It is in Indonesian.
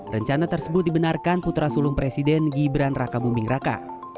rencana tersebut dibenarkan putra sulung presiden gibran raka buming raka